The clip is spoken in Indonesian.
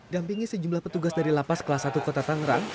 dampingi sejumlah petugas dari lapas kelas satu kota tangerang